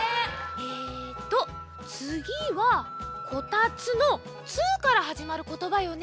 えっとつぎは「こたつ」の「つ」からはじまることばよね。